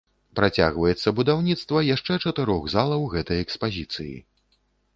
Працягваецца будаўніцтва яшчэ чатырох залаў гэтай экспазіцыі.